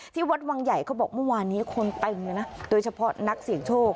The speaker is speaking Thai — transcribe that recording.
ที่วัดวังใหญ่เขาบอกเมื่อวานนี้คนเต็มเลยนะโดยเฉพาะนักเสี่ยงโชค